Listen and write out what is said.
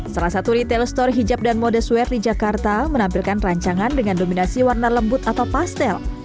salah satu retail store hijab dan mode sware di jakarta menampilkan rancangan dengan dominasi warna lembut atau pastel